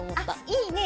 いいね